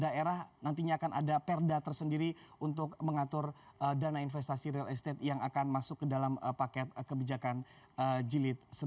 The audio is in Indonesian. di daerah nantinya akan ada perda tersendiri untuk mengatur dana investasi real estate yang akan masuk ke dalam paket kebijakan jilid sebelas